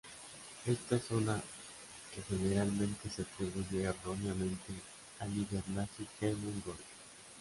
Esta es una que generalmente se atribuye erróneamente al líder nazi Hermann Göring.